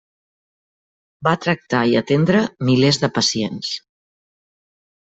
Va tractar i atendre milers de pacients.